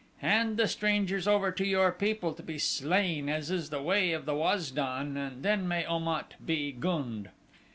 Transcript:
Hand the strangers over to your people to be slain as is the way of the Waz don and then may Om at be gund."